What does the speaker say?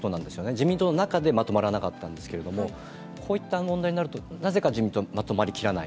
自民党の中でまとまらなかったんですけれども、こういった問題になるとなぜか自民党、まとまりきらない。